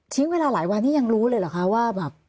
เวลาหลายวันนี้ยังรู้เลยเหรอคะว่าแบบ